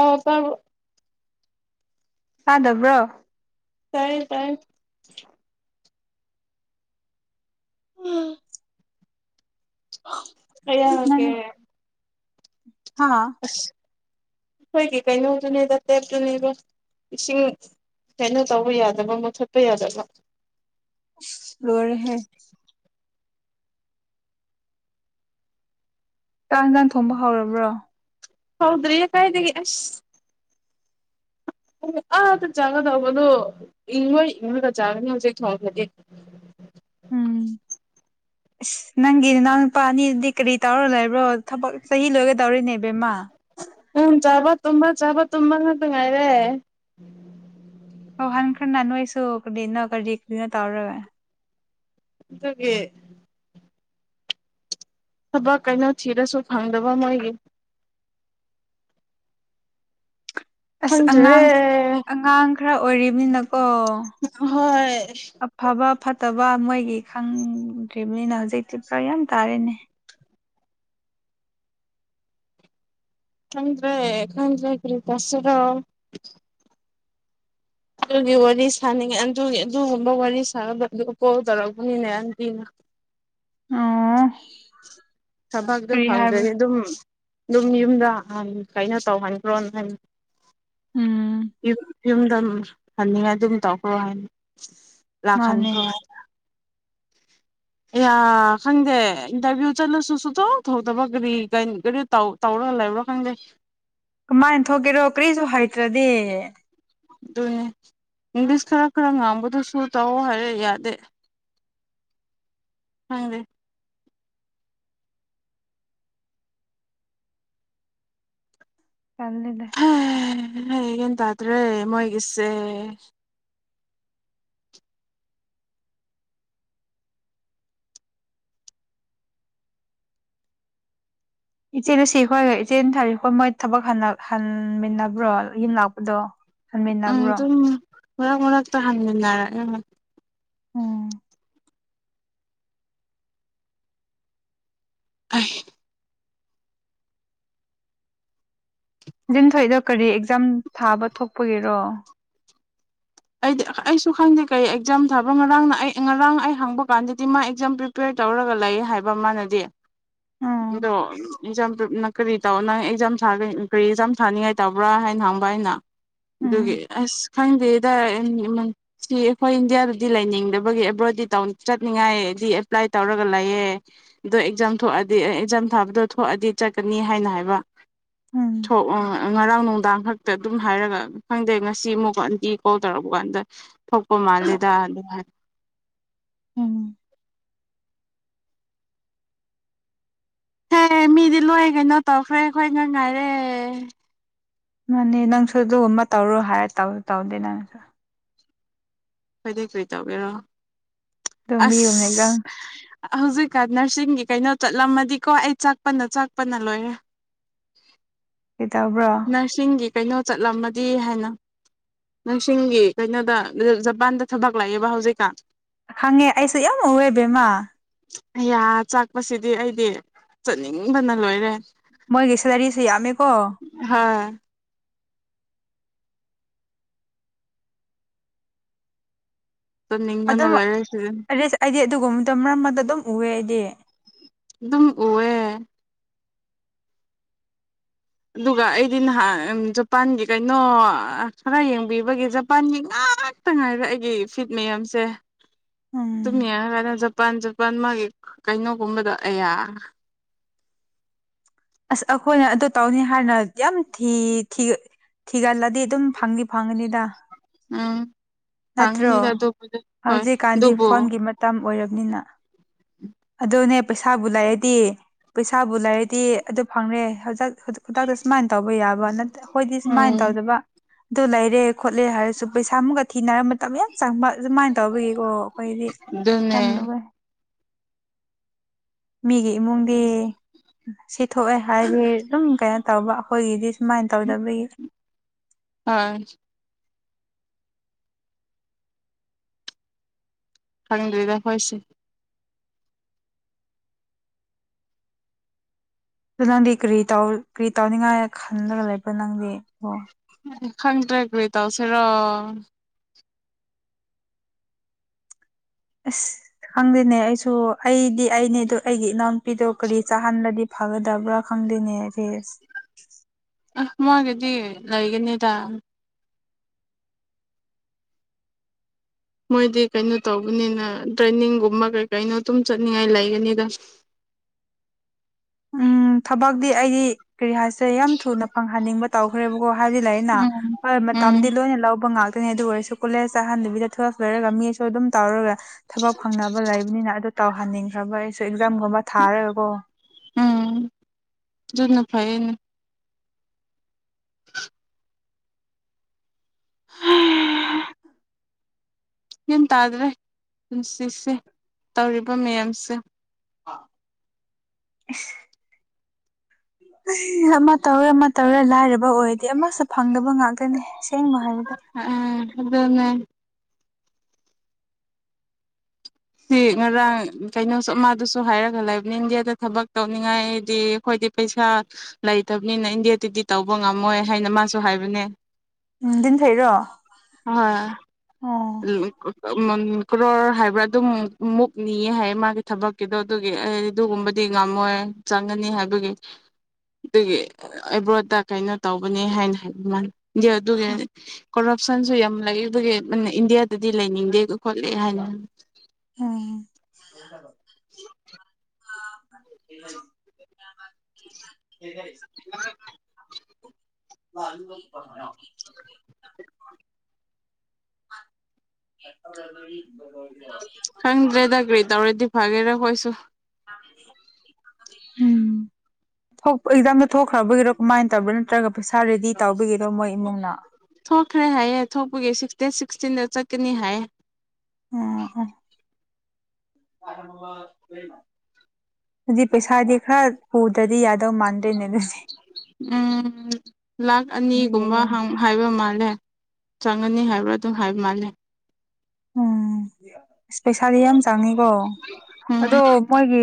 ꯑ ꯇ ꯇꯥꯗꯕ꯭ꯔꯣ ꯇꯔꯔ ꯄꯥꯏ ꯀ ꯅꯪ ꯀꯦꯦ ꯍꯥꯥ ꯑꯩꯈꯣꯏꯒꯤ ꯀꯩꯅꯣꯗꯨꯅꯦꯗ ꯇꯦꯞꯇꯅꯦꯕ ꯏꯁꯤꯡ ꯁꯥꯏꯩꯅ ꯇꯧꯕ ꯌꯥꯗꯕ ꯃꯨꯠꯊꯠꯄ ꯌꯥꯗꯕ ꯂꯔꯦꯍꯦ ꯀ ꯍꯟꯒꯥꯥꯡ ꯊꯣꯡꯕ ꯍꯧꯔꯕ꯭ꯔꯣ ꯍꯥꯎꯗ꯭ꯔꯔꯤ ꯌꯦ ꯀꯥꯏꯗꯗꯒꯤ ꯑꯁ ꯑꯥꯗ ꯆꯥꯒꯗꯧꯕꯗꯣ ꯏꯪꯉꯣꯏ ꯏꯪꯉꯣꯏꯒ ꯆꯥꯒꯅꯤ ꯍꯧꯖꯤꯛ ꯊꯣꯡꯈꯗꯤ ꯎ ꯎꯝ ꯑꯁ ꯅꯪꯒꯤ ꯅꯅꯥꯎ ꯅꯨꯄꯥ ꯑꯅꯤꯗꯨꯗꯤ ꯀꯔꯤ ꯇꯧꯔ ꯂꯩꯕ꯭ꯔꯣ ꯊꯕꯛ ꯆꯍꯤ ꯂꯣꯏꯒꯗꯧꯔꯤꯅꯦꯕꯦꯝꯃ ꯑ ꯎꯝ ꯆꯥꯕ ꯇꯨꯝꯕ ꯆꯥꯕ ꯇꯨꯝꯕ ꯉ ꯉꯥꯏꯔꯦ ꯑꯣ ꯍꯟ ꯈ ꯅꯅ ꯑꯩꯁꯨꯗꯤꯅꯈꯗꯤꯗꯤꯅ ꯇꯧꯔꯒ ꯑꯗꯨꯦ ꯊꯕꯛ ꯀꯩꯅꯣ ꯊꯤꯔꯁꯨ ꯐꯪꯗꯕ ꯃꯣꯏꯒꯤ ꯑꯁ ꯑꯉꯥꯡ ꯈꯪꯗ꯭ꯔꯦ ꯑꯉꯥꯡ ꯈꯔ ꯑꯣꯏꯔꯤꯕꯅꯤꯅ ꯑꯣ ꯍꯣꯏ ꯑꯐꯕ ꯐ ꯐꯠꯇꯕ ꯃꯣꯏꯒꯤ ꯈꯪꯗ꯭ꯔꯤꯕꯅꯤꯅ ꯍꯧꯖꯤꯛꯇꯤ ꯐꯔ ꯌꯥꯝ ꯇꯥꯔꯦꯅꯦ ꯊꯗ꯭ꯔꯦ ꯈꯪꯗ꯭ꯔꯦ ꯀꯔꯤ ꯇꯁꯔ ꯑꯗꯨꯒꯤ ꯋꯥꯔꯤ ꯁꯥꯅꯤꯡꯉꯦ ꯑꯗꯨꯒꯤ ꯑꯗꯨꯒꯨꯝꯕ ꯋꯥꯔꯤ ꯁꯥꯅꯕꯗ ꯀꯣꯜ ꯇꯧꯔꯛꯄꯅꯤꯅꯦꯕꯤꯅ [unintelligible] ꯑꯣ ꯊꯕꯛꯇ ꯀꯔꯤ ꯐꯪꯗ꯭ꯔꯦ ꯍꯥꯏꯕ꯭ꯔꯥ ꯑꯗꯨꯝ ꯑꯗꯨꯝ ꯌꯨꯝꯗ ꯀꯩꯅꯣ ꯇꯧꯍꯟꯈ꯭ꯔꯣ ꯎꯝ ꯌꯨꯝꯗ ꯐꯟꯅꯤꯡꯉꯥꯏ ꯑꯗꯨꯝ ꯇꯧꯈ꯭ꯔꯣ ꯍꯥꯏꯅꯤ ꯂꯥꯛ ꯈꯅꯤ ꯃꯥꯅꯦ ꯍ ꯌꯥ ꯈꯪꯗꯦ ꯏꯟꯇꯔꯚꯤꯌꯨ ꯆꯠꯂꯁꯨ ꯁꯨꯇꯧ ꯊꯧꯗꯕ ꯀꯔꯤ ꯀꯔꯤ ꯀꯔꯤ ꯇꯧꯔ ꯜꯂꯕꯔꯣ ꯈꯪꯗꯦ ꯀꯃꯥꯏꯅ ꯊꯣꯛꯒꯦꯔꯣ ꯀꯔꯤꯁꯨ ꯍꯥꯏꯇ꯭ꯔꯗꯤ ꯑꯗꯨꯅꯦ ꯏꯪꯂꯤꯁ ꯈꯔ ꯈꯔ ꯉꯥꯡꯕꯗꯨꯁꯨ ꯇꯧꯑꯣ ꯍꯥꯏꯔ ꯌꯥꯗꯦ ꯍꯪ ꯆꯜꯅꯦ ꯍ ꯌꯦꯟ ꯇꯥꯗ꯭ꯔꯦ ꯃꯣꯏꯒꯤꯁꯦ ꯏꯆꯦ ꯁꯤꯈꯣꯏꯒ ꯏꯆꯦ ꯊꯥꯔꯤꯛꯄ ꯃꯣꯏ ꯊꯕꯛ ꯍꯟꯃꯤꯟꯅꯕ꯭ꯔꯣ ꯌꯨꯝ ꯂꯥꯛꯄꯗꯣ ꯎꯝ ꯍꯟꯃꯤꯟꯅꯕ꯭ꯔꯣ ꯑꯗꯨꯝ ꯃꯔꯛ ꯃꯔꯛꯇ ꯍꯪꯃꯤꯟꯅꯔꯦ ꯎꯝ ꯑ ꯂꯤꯟꯊꯣꯏꯗꯣ ꯀꯔꯤ ꯑꯦꯛꯖꯥꯝ ꯊꯥꯕ ꯊꯣꯛꯄꯒꯦꯔꯣ ꯑꯩꯗꯤ ꯑꯩꯁꯨ ꯈꯪꯗꯦ ꯀꯩ ꯑꯦꯛꯖꯥꯝ ꯊꯥꯕ ꯉꯔꯥꯡꯅ ꯑꯩ ꯉꯔꯥꯡ ꯑꯩ ꯍꯪꯕ ꯀꯥꯟꯗꯗꯤ ꯃꯥ ꯑꯦꯛꯖꯥꯝ ꯄ꯭ꯔꯤꯄꯦꯌꯔ ꯇꯧꯔꯒ ꯂꯩ ꯍꯥꯏꯕ ꯃꯥꯥꯟꯅꯗꯦ ꯎꯝ ꯑꯗꯣ ꯏꯝ ꯀꯔꯤ ꯇꯧ ꯅꯪ ꯑꯦꯛꯖꯥꯝ ꯀꯔꯤ ꯑꯦꯛꯖꯥꯝ ꯁꯥꯅꯤꯡꯉꯥꯏ ꯇꯧꯕ꯭ꯔꯥ ꯍꯥꯏꯅ ꯍꯪꯕ ꯑꯩꯅ ꯑꯗꯨꯒꯤ ꯎꯝ ꯑꯁ ꯈꯥꯏꯗꯦ ꯁꯤ ꯑꯩꯈꯣꯏ ꯏꯟꯗꯤꯌꯥꯗꯗꯤ ꯂꯩꯅꯤꯡꯗꯕꯒꯤ ꯑꯦꯕ꯭ꯔꯣꯗꯤ ꯆꯠꯅꯤꯡꯉꯥꯏꯗꯤ ꯑꯦꯄ꯭ꯂꯥꯏ ꯇꯧꯔꯒ ꯂꯩꯌꯦꯦ ꯑꯗꯣ ꯑꯦꯛꯖꯥꯝ ꯊꯣꯛꯑꯗꯤ ꯑꯦꯛꯖꯥꯝ ꯊꯥꯕꯗꯣ ꯊꯣꯛꯑꯗꯤ ꯆꯠꯀꯅꯤ ꯍꯥꯏꯅ ꯍꯥꯏꯕ ꯎꯝ ꯊꯣꯛ ꯉꯔꯥꯡ ꯅꯨꯡꯗꯥꯡ ꯈꯛꯇ ꯑꯗꯨꯝ ꯍꯥꯏꯔꯒ ꯈꯪꯗꯦ ꯉꯁꯤ ꯑꯃꯨꯛꯀꯗꯤ ꯊꯣꯛ ꯇꯧꯔꯛꯄ ꯀꯥꯟꯗ ꯊꯣꯛꯄ ꯃꯥꯂꯦꯗ ꯑꯗꯨ ꯍꯥꯏꯅ ꯎꯝ ꯍꯦ ꯃꯤꯗꯤ ꯂꯣꯏ ꯀꯩꯅꯣ ꯇꯧꯈ꯭ꯔꯦ ꯑꯩꯈꯣꯏ ꯉ ꯉꯥꯏꯔꯦ ꯃꯥꯅꯦ ꯅꯪꯁꯨ ꯑꯗꯨꯒꯨꯝꯕ ꯇꯧꯔꯣ ꯍꯥꯏꯔ ꯇꯧ ꯇꯧꯗꯦ ꯅꯪꯁꯨ ꯀꯗꯩ ꯀꯔꯤ ꯇꯧꯒꯦꯔꯣ ꯑꯗꯨ ꯃꯤꯒꯨꯝꯅ ꯑꯦꯛꯖꯥꯝ ꯑꯁ ꯍꯧꯖꯤꯛꯀ ꯅꯔꯁꯤꯡꯒꯤ ꯀꯩꯅꯣ ꯆꯠꯂꯝꯃꯗꯤꯀꯣ ꯑꯩ ꯆꯥꯛꯄꯅ ꯆꯥꯛꯄꯅ ꯂꯣꯏꯔꯦ [unintelligible] ꯀꯩꯇꯕ꯭ꯔꯥ ꯅꯔꯁꯤꯡꯒꯤ ꯀꯩꯅꯣ ꯆꯠꯂꯝꯃꯗꯤ ꯍꯥꯏꯅ ꯅꯪꯁꯤꯡꯒꯤ ꯀꯩꯅꯣꯗ ꯖꯄꯥꯟꯗ ꯊꯕꯛ ꯂꯥꯛꯑꯦꯕ ꯍꯧꯖꯤꯛꯀ ꯈꯪꯉꯦ ꯑꯩꯁꯨ ꯌꯥꯝ ꯑꯣꯏꯕꯦꯝꯃ ꯍꯌꯥ ꯆꯥꯛꯄꯁꯤꯗꯤ ꯑꯩꯗꯤ ꯆꯠꯅꯤꯡꯕꯅ ꯂꯣꯏꯔꯦ ꯃꯣꯏ ꯦꯁꯥꯔꯤꯁꯤ ꯑꯃ ꯀꯣ ꯍꯥꯥ ꯆꯠꯅꯤꯡꯕꯅ ꯑꯗꯨꯝ ꯂꯣꯏꯔꯦ ꯁꯤꯗ ꯑ ꯑꯩꯗꯤ ꯑꯗꯨꯒꯕ ꯃꯔꯛ ꯃꯔꯗ ꯑꯗꯨꯝ ꯎꯑꯦ ꯑꯩꯗꯤ ꯑꯗꯨꯝ ꯎꯑꯦ ꯑꯗꯨꯒ ꯑꯩꯗꯤ ꯅꯍꯥꯟ ꯖꯄꯥꯟꯒꯤ ꯀꯩꯅꯣ ꯈꯔ ꯌꯦꯡꯕꯤꯕꯒꯤ ꯖꯄꯥꯟꯒꯤ ꯉ ꯉꯥꯛꯇ ꯉꯥꯏꯔ ꯑꯩꯒꯤ ꯐꯤꯠ ꯃꯌꯥꯝꯁꯦ ꯎꯝ ꯇꯨꯝꯃꯦ ꯍꯥꯏ ꯀꯥꯟꯗ ꯖꯄꯥꯟ ꯖꯄꯥꯟ ꯃꯥꯒꯤ ꯀꯩꯅꯣꯒꯨꯝꯕꯗꯣ ꯑꯌꯥ ꯑꯁ ꯑꯩꯈꯣꯏꯅ ꯑꯗꯨ ꯇꯧꯅꯤ ꯍꯥꯏꯥꯟꯅ ꯌꯥꯝ ꯊꯤ ꯊꯤ ꯊꯤꯒꯜꯂꯗꯤ ꯑꯗꯨꯝ ꯐꯪꯅꯤ ꯐꯪꯉꯅꯤꯗ ꯎꯝ ꯐꯉꯅꯤꯒꯗꯗ ꯍꯣꯏ ꯍꯧꯖꯤꯛꯀꯥꯟꯗꯤ ꯗꯕꯣ ꯐꯣꯟꯒꯤ ꯃꯇꯝ ꯑꯣꯏꯔꯕꯅꯤꯅ ꯎꯝ ꯑꯗꯨꯅꯦ ꯄꯩꯁꯥꯕꯨ ꯂꯥꯛꯑꯗꯤ ꯄꯩꯁꯥꯕꯨ ꯂꯩꯔꯗꯤ ꯑꯗꯨ ꯐꯪꯔꯦ ꯍꯖꯤꯛ ꯈꯨꯗꯥꯛꯇ ꯁꯨꯃꯥꯏꯅ ꯇꯧꯕ ꯌꯥꯕ ꯅꯠꯇ꯭ꯔ ꯑꯩꯈꯣꯏꯗꯤ ꯁꯨꯃꯥꯏꯅ ꯎꯝ ꯇꯧꯗꯕ ꯑꯗꯨ ꯂꯩꯔꯦ ꯈꯣꯠꯂꯦ ꯍꯥꯏꯔꯁꯨ ꯄꯩꯁꯥ ꯑꯃꯨꯛꯀ ꯊꯤꯅꯔꯕ ꯃꯇꯝ ꯌꯥꯝ ꯆꯪꯕ ꯑꯗꯨꯃꯥꯏꯅ ꯇꯧꯕꯒꯤꯀꯣ ꯑꯩꯈꯣꯏꯗꯤ ꯑꯗꯨꯅꯦ ꯌꯥꯝꯗꯕ ꯃꯤꯒꯤ ꯏꯃꯨꯡꯗꯤ ꯁꯤ ꯊꯣꯛꯑꯦ ꯍꯥꯏꯗꯤ ꯑꯗꯨꯝ ꯀꯩꯅꯣ ꯇꯧꯕ ꯑꯩꯈꯣꯏꯒꯤꯗꯤ ꯁꯨꯃꯥꯏꯅ ꯇꯧꯗꯕꯒꯤ ꯑꯣꯏ ꯈꯪꯗ꯭ꯔꯤꯗ ꯑꯩꯈꯣꯏꯁꯦ ꯑ ꯅꯪꯗꯤ ꯀꯔꯤ ꯀꯔꯤ ꯇꯧꯅꯤꯡꯉꯥꯏ ꯈꯜꯂꯒ ꯂꯩꯕꯣ ꯅꯪꯗꯤ ꯑꯣ ꯈꯪꯗ꯭ꯔꯦ ꯀꯣꯏ ꯇꯧꯁꯤꯔꯣ ꯑꯁ ꯈꯪꯗꯦꯅꯦ ꯑꯩꯁꯨ ꯑꯩꯗꯤ ꯑꯩꯅꯦ ꯑꯗꯨꯣ ꯑꯩꯒꯤ ꯏꯅꯥꯎꯅꯨꯄꯤꯗꯣ ꯀꯔꯤ ꯆꯥꯍꯜꯂꯗꯤ ꯐꯥꯒꯗꯕ꯭ꯔꯥ ꯈꯪꯗꯦꯅꯦ ꯐꯦꯁ ꯑ ꯃꯥꯒꯤꯗꯤ ꯂꯩꯒꯅꯤꯗ ꯃꯣꯏꯗꯤ ꯀꯩꯅꯣ ꯇꯧꯕꯅꯤꯅ ꯗ꯭ꯔꯦꯟꯅꯤꯡꯒꯨꯝꯕ ꯀꯩ ꯀꯩꯅꯣ ꯑꯗꯨꯝ ꯆꯠꯅꯤꯡꯉꯥꯏ ꯂꯩꯒꯅꯤꯗ [inaudible] ꯎꯝ ꯊꯕꯛꯇꯤ ꯑꯩꯗꯤ ꯀꯔꯤ ꯍꯥꯏꯁꯦ ꯌꯥꯝ ꯊꯨꯅ ꯐꯪꯍꯟꯅꯤꯡꯕ ꯇꯧꯈ꯭ꯔꯦꯕꯀꯣ ꯍꯥꯏꯕ ꯂꯩ ꯑꯩꯅ ꯎꯝ ꯍꯣꯏ ꯎꯝ ꯃꯇꯝꯗꯤ ꯂꯣꯏꯅ ꯂꯧꯕ ꯉ ꯅꯤ ꯑꯗꯨ ꯑꯣꯏꯔꯁꯨ ꯀꯣꯂꯦꯖ ꯆꯥꯍꯟꯕꯤꯗ ꯇꯨꯋꯦꯜꯞ ꯂꯔꯒ ꯃꯤꯁꯨ ꯑꯗꯨꯝ ꯇꯧꯔꯒ ꯊꯕꯛ ꯐꯪꯅꯕ ꯂꯩꯕꯅꯤꯅ ꯑꯗꯨ ꯇꯧꯍꯟꯅꯤꯡꯈ꯭ꯔꯕ ꯑꯩꯁꯨ ꯑꯦꯛꯖꯥꯝꯒꯨꯝꯕ ꯊꯥꯔꯦꯕꯀꯣ ꯎꯝ ꯠꯅ ꯐꯥꯏꯅ ꯎ ꯒ꯭ꯌꯥꯟ ꯇꯥꯗ꯭ꯔꯦ ꯄꯨꯟꯁꯤꯁꯦ ꯇꯧꯔꯤꯕ ꯃꯌꯥꯝꯁꯦ ꯃꯧꯔꯦ ꯃ ꯇꯧꯔ ꯂꯥꯏꯔꯕ ꯑꯣꯏꯔꯗꯤ ꯑꯃꯁꯨ ꯐꯪꯗꯕ ꯉꯥꯛꯇꯅꯤ ꯁꯦꯡꯕ ꯍꯥꯏꯕꯗ ꯑꯗꯨꯗꯅ ꯁꯤ ꯉꯔꯥꯡ ꯀꯩꯅꯣꯁꯨ ꯃꯥꯗꯨꯁꯨ ꯍꯥꯏꯔꯒ ꯂꯩꯕꯅꯤ ꯏꯟꯗꯤꯌꯥꯗ ꯊꯕꯛ ꯇꯧꯅꯤꯡꯉꯥꯏꯗꯤ ꯑꯩꯈꯣꯏ ꯗꯤ ꯄꯩꯁꯥ ꯂꯩꯇꯕꯅꯤꯅ ꯏꯟꯗꯤꯦꯌꯥꯗꯗꯤ ꯇꯧꯕ ꯉꯝꯃꯣꯏ ꯍꯥꯏꯅ ꯃꯥꯁꯨ ꯍꯥꯏꯕꯅꯦ ꯎꯝꯗꯤꯝꯐꯩꯔꯣ ꯍꯣꯏ ꯑꯣ ꯀ꯭ꯔꯣꯔ ꯍꯥꯏꯕ꯭ꯔꯥ ꯑꯗꯨꯝ ꯃꯨꯛꯅꯤꯌꯦ ꯍꯥꯏꯌꯦ ꯃꯥꯒꯤ ꯊꯕꯛꯀꯤꯗꯣ ꯑꯗꯨꯒꯤ ꯑꯗꯨꯒꯨꯝꯕꯗꯤ ꯉꯝꯃꯣꯏ ꯆꯪꯒꯅꯤ ꯍꯥꯏꯕꯒꯤ ꯑꯗꯨꯒꯤ ꯑꯦꯕ꯭ꯔꯣꯠꯇ ꯀꯩꯅꯣ ꯇꯧꯕꯅꯤ ꯍꯥꯏꯅ ꯍꯥꯏꯕ ꯃꯥꯜꯂꯤ ꯗꯤ ꯑꯗꯨꯒꯤ ꯀꯔꯞꯁꯟꯁꯨ ꯌꯥꯝ ꯂꯩ ꯑꯗꯨꯒꯤ ꯏꯟꯗꯤꯌꯥꯗꯗꯤ ꯂꯩꯅꯤꯡꯗꯦ ꯈꯣꯂ ꯍꯥꯏ ꯎꯝ [inaudible] [inaudible] ꯑ [inaudible] [unintelligible] ꯈꯪꯗ꯭ꯔꯦꯗ ꯀꯔꯤ ꯇꯧꯔꯗꯤ ꯐꯒꯦꯔꯥ ꯀꯣꯏꯁꯨ [inaudible] ꯎꯝ ꯊꯣꯛ ꯑꯦꯛꯖꯥꯝꯗ ꯊꯣꯛꯈ꯭ꯔꯕꯒꯤꯔꯣ ꯀꯃꯥꯏꯅ ꯇꯧꯕ꯭ꯔꯥ ꯅꯠꯇ꯭ꯔꯒ ꯄꯩꯁꯥ ꯔꯦꯗꯤ ꯇꯧꯕꯒꯤꯔꯣ ꯃꯣꯏ ꯏꯃꯨꯡꯅ ꯊꯣꯛꯈ꯭ꯔꯦ ꯍꯥꯏꯌꯦꯦ ꯊꯣꯛꯄꯒꯤ ꯁꯤꯛꯁꯇ ꯆ ꯀꯅꯤ ꯍꯥꯏ ꯑ ꯑꯗꯨꯖꯤꯗꯤ ꯄꯩꯁꯥ ꯗ ꯈꯔ ꯐ ꯗꯗꯤ ꯌꯥꯗꯧ ꯃꯥꯟꯗ꯭ꯔꯦꯅꯦ ꯑꯗꯨꯗꯤ ꯎꯝ ꯂꯥꯛ ꯑꯗꯨꯒꯤ ꯑꯅꯤꯒꯨꯝꯕ ꯍꯥꯏꯕ ꯃꯥꯜꯂꯦ ꯆꯪꯉꯅꯤ ꯍꯥꯏꯕ꯭ꯔꯥ ꯑꯗꯨꯝ ꯍꯥꯏꯕ ꯃꯥꯂꯦ ꯎꯝ ꯄꯩꯁꯥꯗꯤ ꯌꯥꯝ ꯆꯥꯡꯉꯤꯀꯣ ꯎꯝ ꯑꯗꯣ ꯃꯣꯏꯒꯤ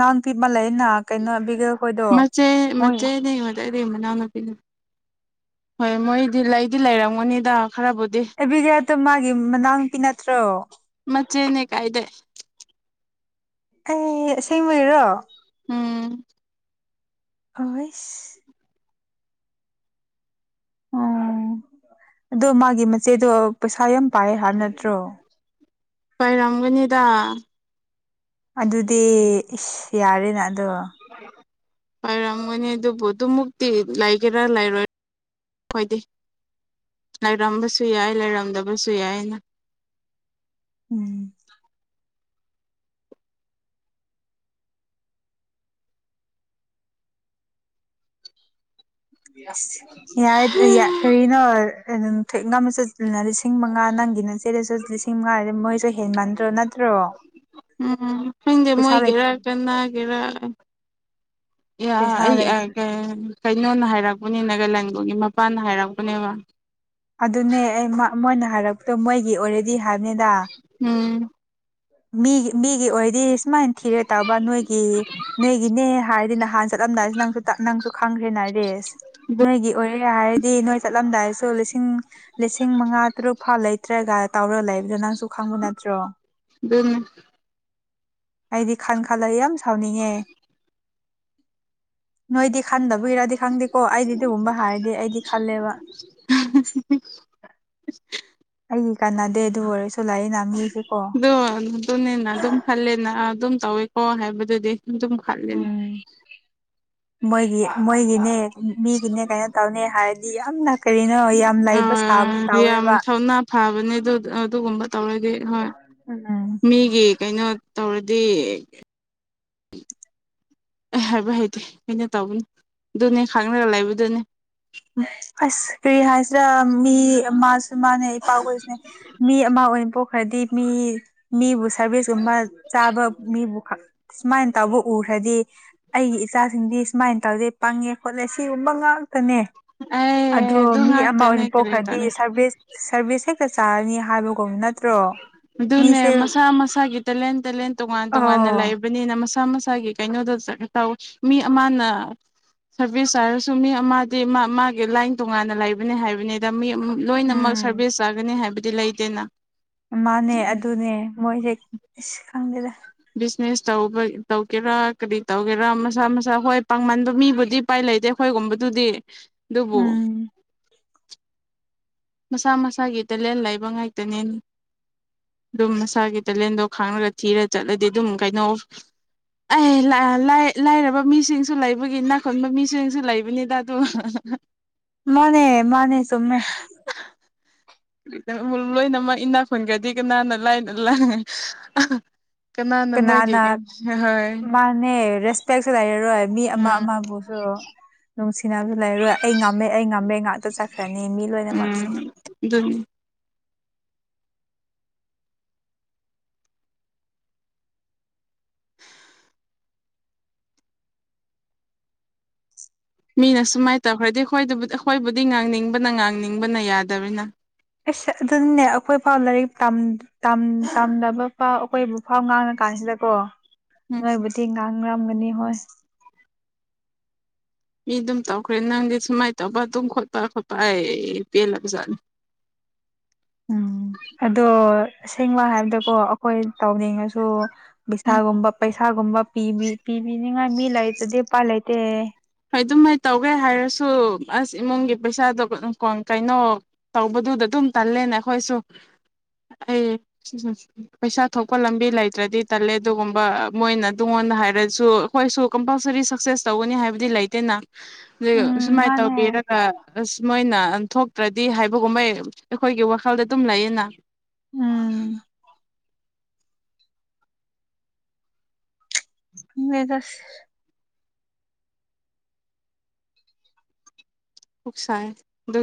ꯅꯥꯟꯟ ꯄꯤꯃꯂ ꯏꯅ ꯀꯩꯅꯣꯕꯒ ꯃꯆꯦ ꯃꯦꯅꯦ ꯗꯤꯩ ꯃꯅꯥꯎ ꯅꯨꯨꯄꯤ ꯍꯣꯏ ꯃꯣꯏꯗꯤ ꯂꯩꯗꯤ ꯂꯩꯔꯝꯒꯅꯤꯗ ꯈꯔꯕꯨꯗꯤ ꯑꯦꯕꯤꯒꯜꯗꯣ ꯃꯥꯒꯤ ꯃꯅꯥꯎꯅꯨꯄꯤ ꯅꯠꯇ꯭ꯔꯣ ꯃꯆꯦꯅꯦ ꯀꯥꯏꯗ ꯑꯩ ꯁꯤꯃꯩꯔꯣ ꯎꯝ ꯑꯁ ꯑꯣ ꯑꯗꯣ ꯃꯥꯒꯤ ꯃꯆꯦꯗꯣ ꯄꯩꯁꯥ ꯌꯥꯝ ꯄꯥꯏ ꯍꯥꯏꯕ ꯅꯠꯇ꯭ꯔꯣ ꯑꯣꯏꯥꯏꯔꯝꯒꯅꯤꯗ ꯑꯗꯨꯗꯤ ꯏꯁꯁ ꯌꯥꯔꯦꯅ ꯑꯗꯣ ꯍꯥꯏꯥꯏꯔꯝꯒꯅꯤ ꯑꯗꯨꯕꯨ ꯑꯗꯨꯃꯨꯛꯇꯤ ꯂꯩꯒꯦꯔꯥ ꯂꯩꯔꯣꯏ ꯍꯣꯏꯗꯤ ꯂꯩꯔꯝꯕꯁꯨ ꯌꯥꯏ ꯂꯩꯔꯝꯗꯕꯁꯨ ꯌꯥꯏꯅ ꯎꯝ ꯌꯥ ꯌꯥ ꯀꯔꯤꯅꯣ ꯊꯦꯛ ꯉ ꯑꯃ ꯆꯠꯁꯤ ꯂꯤꯁꯤꯡ ꯃꯉꯥ ꯅꯪꯒꯤꯅ ꯁꯤꯗꯁꯨ ꯂꯤꯁꯤꯡ ꯃꯉꯥꯗ ꯃꯣꯏꯁꯨ ꯍꯦꯟ ꯃꯥꯟꯗ꯭ꯔꯣ ꯅꯠꯇ꯭ꯔꯣ ꯎꯝ ꯈꯪꯗꯦ ꯄꯩꯁꯥ ꯂꯩ ꯃꯣꯏꯒꯦꯔꯥ ꯀꯅꯥꯒꯦꯔꯥ ꯄꯩꯁꯥ ꯑꯩ ꯂꯩ ꯀꯩꯅꯣꯅ ꯍꯥꯏꯔꯛꯄ ꯃꯅꯤ ꯅꯥꯒꯥꯂꯦꯟꯈꯒꯤ ꯃꯄꯥꯟ ꯍꯥꯏꯔꯛꯄꯅꯦꯕ ꯑꯗꯨꯅꯦ ꯑꯩ ꯃꯣꯏꯅ ꯍꯥꯏꯔꯛꯄꯗꯣ ꯃꯣꯏꯒꯤ ꯑꯣꯏꯔꯦꯗꯤ ꯍꯥꯏꯕꯅꯤꯗ ꯎꯝ ꯃꯤꯒꯤ ꯃꯤꯒꯤ ꯑꯣꯏꯗꯤꯦ ꯏꯁꯃꯥꯟ ꯊꯤꯔꯦ ꯇꯕ ꯅꯣꯏꯒꯤ ꯅꯣꯏꯒꯤꯅꯦ ꯍꯥꯏꯔꯗꯤ ꯅꯍꯥꯟꯅ ꯆꯠꯂꯝꯗꯥꯏꯁꯤ ꯅꯪꯁꯨ ꯅꯪꯁꯨ ꯈꯪꯈ꯭ꯔꯦꯅ ꯔꯦꯁ ꯅꯣꯏꯒꯤ ꯑꯣꯏꯔꯦ ꯍꯥꯏꯔꯗꯤ ꯅꯣꯏ ꯆꯠꯂꯝꯗꯥꯏꯁꯨ ꯂꯤꯁꯤꯡ ꯂꯤꯁꯤꯡ ꯃꯉꯥ ꯇꯔꯨꯛ ꯐꯥ ꯂꯩꯇ꯭ꯔꯒ ꯇꯥꯎꯔ ꯂꯩꯕꯗꯣ ꯅꯪꯁꯨ ꯈꯪꯕ ꯅꯠꯇ꯭ꯔꯣ ꯑꯗꯨꯅꯦ ꯑꯩꯗꯤ ꯈꯥꯟ ꯈꯜꯂꯒ ꯌꯥꯝ ꯁꯥꯎꯅꯤꯡꯉꯦ ꯅꯣꯏꯗꯤ ꯈꯥꯟꯗꯕ ꯀꯨꯏꯔꯗꯤ ꯈꯪꯗꯦꯀꯣ ꯑꯩꯗꯤꯒꯨꯝꯕ ꯍꯥꯏꯔꯗꯤ ꯑꯩꯗꯤ ꯈꯜꯂꯦꯕ ꯑꯩꯒꯤ ꯀꯥꯟꯅꯗꯦ ꯑꯗꯨ ꯑꯣꯏꯔꯁꯨ ꯂꯥꯛꯏꯅ ꯃꯤꯁꯦꯀꯣ ꯑ ꯗ ꯗꯣꯅꯤꯅ ꯗꯝꯈꯥꯂꯅ ꯑꯗꯨꯝ ꯇꯧꯋꯦꯀꯣ ꯍꯥꯏꯕꯗꯨꯗꯤ ꯑꯗꯨꯝ ꯈꯜꯂꯤꯅꯦ ꯃꯣꯏꯒꯤ ꯃꯣꯏꯒꯤꯅꯦ ꯃꯤꯒꯤꯅꯦ ꯀꯩꯅꯣ ꯇꯧꯅꯤ ꯍꯥꯏꯔꯗꯤ ꯌꯥꯝꯅ ꯀꯔꯤꯅꯣ ꯌꯥꯝ ꯂꯩꯕ ꯁꯥꯕ ꯍꯣꯏ ꯌꯥꯝ ꯇꯧꯋꯦꯕ ꯊꯧꯅꯥ ꯐꯕꯅꯦ ꯑꯗꯨ ꯑꯗꯨꯒꯨꯝꯕ ꯇꯧꯔꯗꯤ ꯍꯣꯏ ꯎꯝ ꯃꯤꯒꯤ ꯀꯩꯅꯣ ꯇꯧꯔꯗꯤ ꯑꯦ ꯍꯥꯏꯕ ꯍꯥꯏꯩꯇꯦ ꯀꯩꯅꯣ ꯇꯧꯕꯅꯤ ꯑꯗꯨꯅꯦ ꯈꯥꯡꯅꯔꯒ ꯂꯩꯕꯗꯨꯅꯦ ꯑꯁ ꯀꯔꯤ ꯍꯥꯏꯁꯤꯔ ꯃꯤ ꯃꯥꯁꯨ ꯃꯥꯅꯦ ꯄꯥ ꯑꯣꯏꯁꯅꯦ ꯃꯤ ꯑꯃ ꯑꯣꯏꯅꯕꯣꯛ ꯍꯥꯏꯗꯤ ꯃꯤ ꯃꯤꯕꯨ ꯁꯔꯚꯤꯁꯀꯨꯝꯕ ꯆꯥꯕ ꯃꯤꯕꯨꯛ ꯁꯨꯃꯥꯏꯅ ꯇꯧꯕ ꯎꯈ꯭ꯔꯦ ꯗꯤ ꯑꯩꯒꯤ ꯏꯆꯥꯁꯤꯡꯗꯤ ꯁꯨꯃꯥꯏꯅ ꯇꯧꯗꯦ ꯄꯪꯉꯦ ꯈꯣꯠꯂꯦ ꯁꯤꯒꯨꯝꯕ ꯉꯥꯛꯇꯅꯦ ꯑꯗꯨ ꯑꯩ ꯃꯤ ꯑꯃ ꯉꯥꯛꯇꯅꯦ ꯑꯣꯏꯅ ꯀꯔꯤ ꯄꯣꯛꯈ꯭ꯔꯗꯤ ꯇꯅꯤ ꯁꯔꯚꯤꯁ ꯁꯔꯚꯤꯁ ꯍꯦꯛꯇ ꯆꯥꯔꯅꯤ ꯍꯥꯏꯕ ꯑꯗꯨꯅꯦ ꯃꯁꯥ ꯃꯁꯥꯒꯤ ꯇꯦꯂꯦꯟ ꯇꯦꯂꯦꯟ ꯇꯣꯉꯥꯟ ꯇꯣꯉꯥꯟꯅ ꯑꯣ ꯂꯥꯛꯏꯕꯅꯤꯅꯁ ꯃꯁꯥ ꯃꯁꯥꯒꯤ ꯀꯩꯅꯣꯗ ꯇꯧꯋꯤ ꯃꯤ ꯑꯃꯅ ꯁꯔꯚꯤꯁ ꯆꯥꯔꯖꯁꯨ ꯃꯤ ꯑꯃꯗꯤ ꯃꯥ ꯃꯥꯒꯤ ꯂꯥꯏꯟ ꯇꯣꯉꯥꯟꯅ ꯂꯩꯕꯅꯦ ꯍꯥꯏꯕꯅꯤꯗ ꯃꯤ ꯂꯣꯏꯅꯃꯛ ꯎꯝ ꯁꯥꯔꯚꯤꯁ ꯆꯥꯒꯅꯤ ꯍꯥꯏꯕꯗꯤ ꯂꯩꯇꯦꯅ ꯏꯃꯥꯅꯦ ꯑꯗꯨꯅꯦ ꯃꯣꯏꯁꯦ ꯑꯁ ꯈꯪꯗꯦꯗ ꯇꯧꯒꯦꯔꯥ ꯀꯔꯤ ꯇꯧꯒꯦꯔꯥ ꯃꯁꯥ ꯃꯁꯥ ꯍꯣꯏ ꯄꯥꯡꯃꯟꯕ ꯃꯤꯕꯨꯗꯤ ꯎꯄꯥꯏ ꯂꯩꯇꯦ ꯑꯩꯈꯣꯏ ꯑꯗꯨꯒꯒꯨꯝꯕꯗꯨꯗꯤ ꯑꯗꯨꯕꯨ ꯎꯝ ꯃꯁꯥ ꯃꯁꯥꯒꯤ ꯇꯦꯂꯦꯟ ꯂꯩꯕ ꯉꯥꯛꯇꯅꯦ ꯑꯗꯨꯝ ꯅꯁꯥꯒꯤ ꯇꯦꯂꯦꯟꯗꯣ ꯈꯥꯡꯉꯒ ꯊꯤꯔ ꯆꯠꯂꯗꯤ ꯑꯗꯨꯝ ꯀꯩꯅꯣ ꯑꯩ ꯂꯥꯏꯔꯕ ꯃꯤꯁꯤꯡꯁꯨ ꯂꯩꯕꯒꯤ ꯅꯥꯈꯟꯕ ꯃꯤꯁꯤꯡꯁꯨ ꯂꯩꯕꯅꯤꯗ ꯑꯗꯨ ꯎꯝ ꯃꯥꯅꯦ ꯃꯥꯅꯦ ꯁꯣꯃꯦ [inaudible] ꯂꯣꯏꯅꯃꯛ ꯏꯅꯥ ꯐꯣꯟꯈꯗꯤꯦ ꯀꯅꯥꯅ ꯂꯥꯏ ꯂꯥꯏ ꯀꯅꯥꯅ ꯃꯥꯅꯦ ꯔꯦꯁꯄꯦꯛꯁꯨ ꯂꯩꯔꯔꯣꯏ ꯃꯤ ꯑꯃ ꯎꯝ ꯑꯃꯕꯨꯁꯨ ꯅꯨꯡꯁꯤꯁꯨ ꯂꯩꯔꯣꯏ ꯑꯩ ꯉꯝꯃꯦ ꯑꯩ ꯉꯝꯃꯦ ꯉꯥꯛꯇ ꯆꯠꯈ꯭ꯔꯦ ꯐꯅꯤ ꯃꯤ ꯂꯣꯏꯅꯃꯛꯁꯦ ꯎꯝ ꯑꯗꯨꯅꯤ ꯃꯤꯅ ꯁꯨꯃꯥꯏꯅ ꯇꯧꯈ꯭ꯔꯗꯤ ꯑꯩꯈꯣꯏꯕꯨ ꯑꯩꯈꯣꯏꯕꯨꯗꯤ ꯉꯥꯡꯅꯤꯡꯕꯅ ꯉꯥꯡꯅꯤꯡꯕꯅ ꯌꯥꯗꯕꯅꯤꯅ ꯑꯁ ꯑꯗꯨꯅꯦ ꯑꯩꯈꯣꯏ ꯐꯥꯎ ꯂꯥꯏꯔꯤꯛ ꯇꯝꯗꯕ ꯐꯥꯎ ꯑꯩꯈꯣꯏꯕꯨ ꯐꯥꯎ ꯉꯥꯡꯅ ꯀꯥꯟꯁꯤꯗꯀꯣ ꯎꯝ ꯅꯣꯏꯕꯨꯗꯤ ꯉꯥꯡꯅꯔꯝꯒꯅꯤ ꯍꯣꯏ ꯃꯤ ꯑꯗꯨꯝ ꯇꯧꯈ꯭ꯔꯦ ꯅꯪꯗꯤ ꯁꯨꯃꯥꯏꯅ ꯇꯧꯕ ꯑꯗꯨꯝ ꯈꯣꯠꯄ ꯈꯣꯠꯄ ꯄꯦꯜꯂꯕ ꯖꯥꯠꯅꯤ [inaudible] ꯎꯝ ꯑꯗꯣ ꯑꯁꯦꯡꯕ ꯍꯥꯏꯕꯗꯀꯣ ꯑꯩꯈꯣꯏ ꯇꯧꯅꯤꯡꯉꯁꯨ ꯎꯝ ꯄꯩꯁꯥꯒꯨꯝꯕ ꯄꯩꯁꯥꯒꯨꯝꯕ ꯄꯤꯕꯤ ꯄꯤꯕꯤꯅꯤꯉꯥꯏ ꯃꯤ ꯂꯥꯏꯔꯤꯛꯇꯗꯤ ꯎꯄꯥꯏ ꯂꯩꯇꯦ ꯑꯗꯨꯃꯥꯏ ꯇꯧꯒꯦ ꯍꯥꯏꯔꯁꯨ ꯑꯁ ꯏꯃꯨꯡꯒꯤ ꯄꯩꯁꯥꯗꯣ ꯀꯩꯅꯣ ꯇꯧꯕꯗꯨꯗ ꯑꯗꯨꯝ ꯨꯝ ꯇꯜꯂꯦꯅꯦ ꯈꯣꯏꯁꯨꯣ ꯑꯩ ꯄꯩꯁꯥ ꯊꯣꯛꯄ ꯂꯝꯕꯤ ꯂꯩꯇ꯭ꯔꯗꯤ ꯇꯜꯂꯦ ꯑꯗꯨꯒꯨꯝꯕ ꯃꯣꯏꯅ ꯉꯣꯟ ꯍꯥꯏꯔꯁꯨ ꯑꯩꯈꯣꯏꯁꯨ ꯀꯝꯄꯜꯁꯔꯤ ꯁꯛꯁꯦꯁ ꯇꯧꯒꯅꯤ ꯍꯥꯏꯕ ꯗꯤ ꯂꯩꯇꯦꯅ ꯑꯗꯨ ꯎꯝ ꯁꯨꯃꯥꯏꯅ ꯃꯥꯅꯦ ꯇꯧꯕꯤꯔꯒ ꯑꯁ ꯃꯣꯏꯅ ꯊꯣꯛꯇ꯭ꯔꯗꯤ ꯍꯥꯏꯕꯒꯨꯝꯕ ꯑꯩꯈꯣꯏꯒꯤ ꯋꯥꯈꯜꯗ ꯑꯗꯨꯝ ꯂꯩꯌꯦꯅ ꯎꯝ ꯃꯒꯁ ꯎꯁꯥꯏ ꯑꯗꯨ